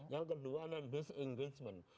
yang kedua adalah disengajment